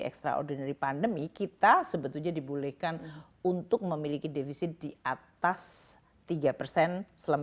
extraordinary pandemi kita sebetulnya dibolehkan untuk memiliki defisit di atas tiga persen selama